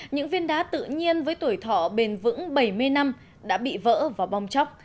những viên đá tự nhiên với tuổi thọ bền vững bảy mươi năm đã bị vỡ và bong chóc